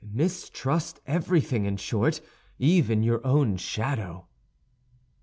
Mistrust everything, in short, even your own shadow."